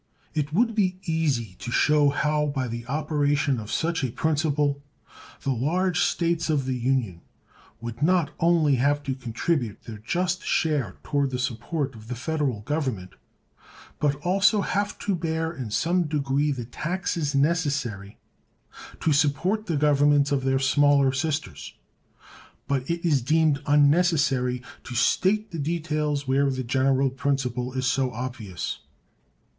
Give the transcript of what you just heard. It would be easy to show how by the operation of such a principle the large States of the Union would not only have to contribute their just share toward the support of the Federal Government, but also have to bear in some degree the taxes necessary to support the governments of their smaller sisters; but it is deemed unnecessary to state the details where the general principle is so obvious.